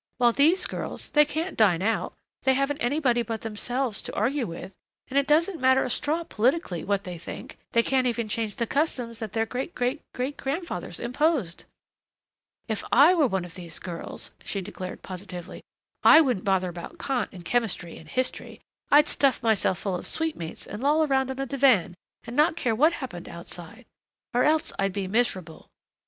While these girls, they can't dine out, they haven't anybody but themselves to argue with, and it doesn't matter a straw politically what they think they can't even change the customs that their great, great, great grandfathers imposed. "If I were one of these girls," she declared positively, "I wouldn't bother about Kant and chemistry and history I'd stuff myself full of sweetmeats and loll around on a divan and not care what happened outside. Or else I'd be miserable."